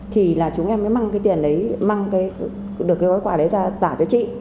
thì là chúng em mới mang cái tiền đấy mang được cái gói quà đấy ra giả cho chị